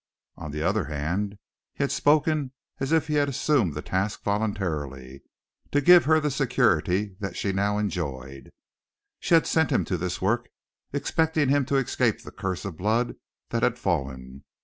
On the other hand, he had spoken as if he had assumed the task voluntarily, to give her the security that she now enjoyed. She had sent him to this work, expecting him to escape the curse of blood that had fallen.